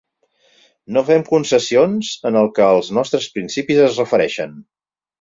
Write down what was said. No fem concessions en el que als nostres principis es refereixen.